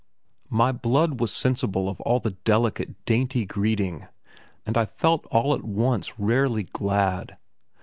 My blood was sensible of all the delicate, dainty greeting, and I felt all at once rarely glad.